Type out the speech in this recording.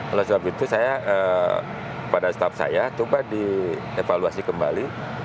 oleh sebab itu saya pada staff saya coba dievaluasi kembali